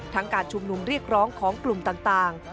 การชุมนุมเรียกร้องของกลุ่มต่าง